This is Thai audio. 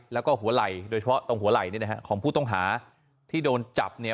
แล้วก็หัวไหล่โดยเฉพาะตรงหัวไหล่นี่นะฮะของผู้ต้องหาที่โดนจับเนี่ย